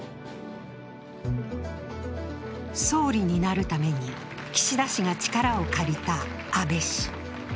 総理になるために岸田氏が力を借りた安倍氏。